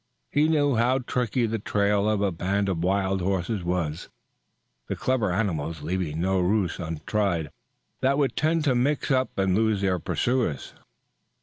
He knew how tricky the trail of a band of wild horses was, the clever animals leaving no ruse untried that would tend to mix up and lose their pursuers.